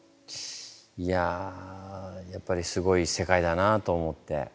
いややっぱりすごい世界だなと思って。